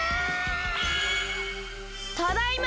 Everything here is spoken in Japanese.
ただいま！